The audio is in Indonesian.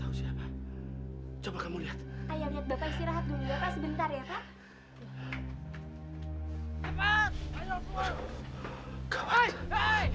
ayo lihat bapak istirahat dulu sebentar ya pak